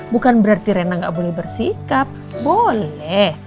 bukan berarti rena gak boleh bersikap boleh